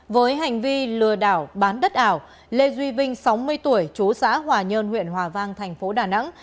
với hành vi lừa đảo bán đất ảo lê duy vinh sáu mươi tuổi chú xã hòa nhơn huyện hòa vang thành phố đà nẵng